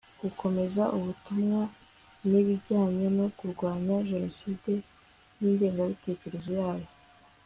gukomeza ubutumwa n'bijyanye no kurwanya jenoside n'ingengabitekerezo yayo